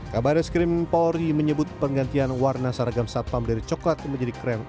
kabar reskrim polri menyebut penggantian warna seragam satpam dari coklat menjadi krem